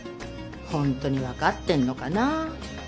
ホントに分かってんのかなあ。